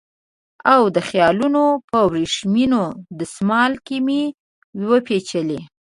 او د خیالونو په وریښمین دسمال کې مې وپېچلې